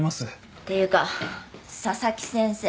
っていうか佐々木先生